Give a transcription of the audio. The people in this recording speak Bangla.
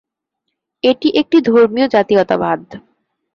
এটি একটি ধর্মীয় জাতীয়তাবাদ।